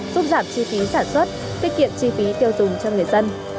giúp giảm chi phí sản xuất tiết kiệm chi phí tiêu dùng cho người dân